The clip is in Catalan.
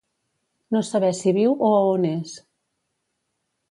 No saber si viu o a on és.